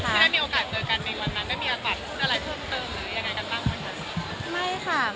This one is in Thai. ที่ได้มีโอกาสเจอกันในวันนั้นได้มีโอกาสพูดอะไรเพิ่มเติมหรือยังไงกันบ้างไหมคะ